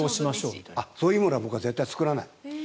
そういうものは僕は絶対に作らない。